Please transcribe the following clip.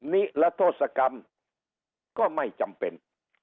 นิรโทษกรรมก็ไม่จำเป็น